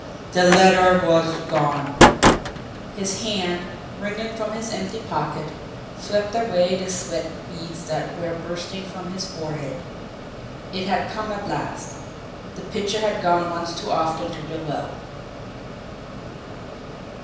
THE LETTER WAS GONE! His hand, wriggling from his empty pocket, swept away the sweat beads that were bursting from his forehead. It had come at last the pitcher had gone once too often to the well!